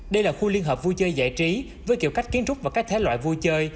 đây là khu liên hợp vui chơi giải trí với kiểu cách kiến trúc và các thế loại vui chơi